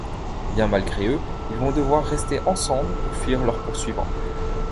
Bien malgré eux, ils vont devoir rester ensemble pour fuir leurs poursuivants.